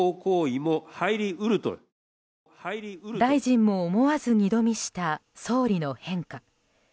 大臣も思わず二度見した総理の変化。